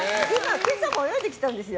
今朝も泳いできたんですよ。